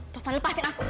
tovan lepaskan aku